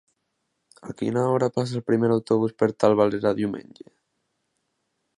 A quina hora passa el primer autobús per Talavera diumenge?